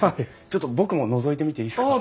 ちょっと僕ものぞいてみていいですか？